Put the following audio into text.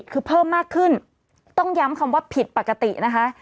คือเพิ่มมากขึ้นต้องย้ำคำว่าผิดปกตินะคะ